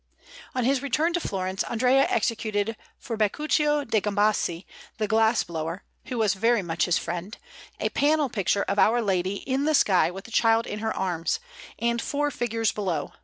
On his return to Florence, Andrea executed for Beccuccio da Gambassi, the glass blower, who was very much his friend, a panel picture of Our Lady in the sky with the Child in her arms, and four figures below, S.